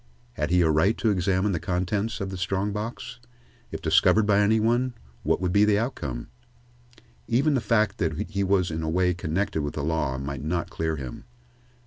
Had he a right to examine the contents of this strong box? If discovered by any one, what would be the outcome? Even the fact that he was in a way connected with the law might not clear him.